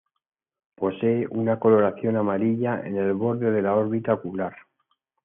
Posee una coloración amarilla en el borde de la órbita ocular.